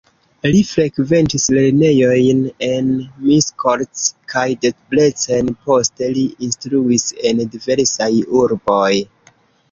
Li frekventis lernejojn en Miskolc kaj Debrecen, poste li instruis en diversaj urboj.